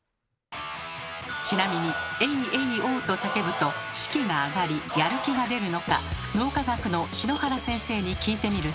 ちなみに「エイエイオー」と叫ぶと士気が上がりやる気が出るのか脳科学の篠原先生に聞いてみると。